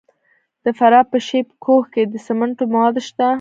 د فراه په شیب کوه کې د سمنټو مواد شته.